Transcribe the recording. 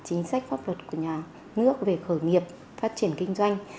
chính sách pháp luật của nhà nước về khởi nghiệp phát triển kinh doanh